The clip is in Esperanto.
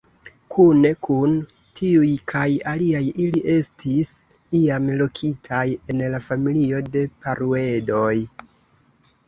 Kune kun tiuj kaj aliaj ili estis iam lokitaj en la familio de Paruedoj.